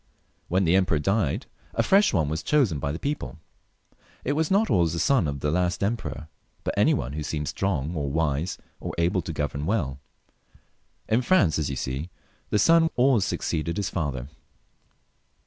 When the emperor died a fresh one was chosen by the people ; it was not always the son of the last emperor, but any one who seemed strong or wise, or able to govern well. In France, as you see, the son always succeeded his father.